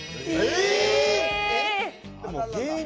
え